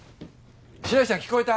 白石ちゃん聞こえた？